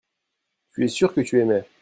tu es sûr que tu aimais.